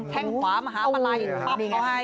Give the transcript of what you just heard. แค่งขวามหาปลายเขาให้